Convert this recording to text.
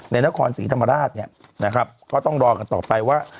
ในนครศรีธรรมราชเนี่ยนะครับก็ต้องรอกันต่อไปว่า